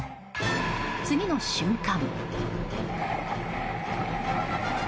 次の瞬間。